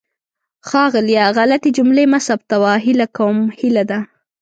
ښاغلیه! غلطې جملې مه ثبتوه. هیله کوم هیله ده.